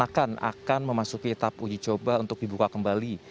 akan memasuki tahap uji coba untuk dibuka kembali